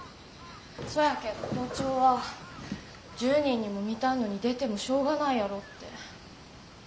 そやけど校長は１０人にも満たんのに出てもしょうがないやろうって。